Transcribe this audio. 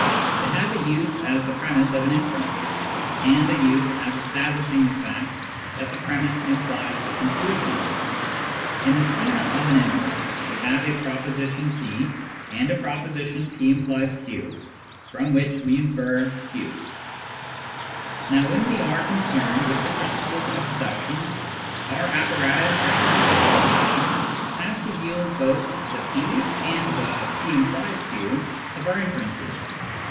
It has a use as the premiss of an inference, and a use as establishing the fact that the pre miss implies the conclusion. In the schema of an inference we have a proposition p, and a proposition " p implies q," from which we infer q. Now when we are concerned with the princi ples of deduction, our apparatus of primitive propositions has to yield both the p and the " p implies q " of our inferences.